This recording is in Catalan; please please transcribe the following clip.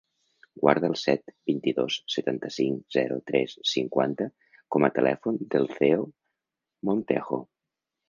Guarda el set, vint-i-dos, setanta-cinc, zero, tres, cinquanta com a telèfon del Theo Montejo.